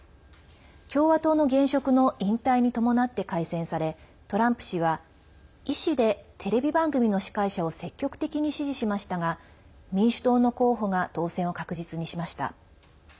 共和党の現職の引退に伴って改選されトランプ氏は医師でテレビ番組の司会者を積極的に支持しましたが民主党の候補が当選を確実にしました。